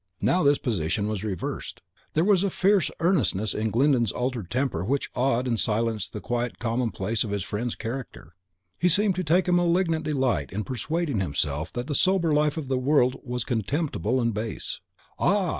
Now this position was reversed. There was a fierce earnestness in Glyndon's altered temper which awed and silenced the quiet commonplace of his friend's character. He seemed to take a malignant delight in persuading himself that the sober life of the world was contemptible and base. "Ah!"